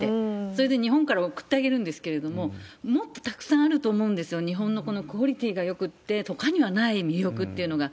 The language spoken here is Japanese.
それで日本から送ってあげるんですけれども、もっとたくさんあると思うんですよ、日本のこのクオリティーがよくって、ほかにはない魅力っていうのが。